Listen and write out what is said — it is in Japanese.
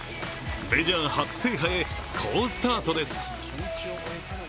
メジャー初制覇へ好スタートです。